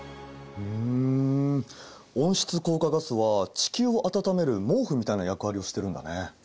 ん温室効果ガスは地球を暖める毛布みたいな役割をしてるんだね。